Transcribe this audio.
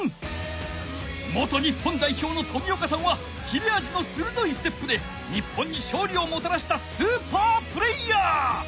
元日本代表の冨岡さんは切れあじのするどいステップで日本にしょうりをもたらしたスーパープレーヤー。